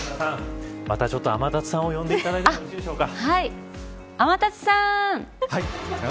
またちょっと、天達さんを呼んでいただいていいですか。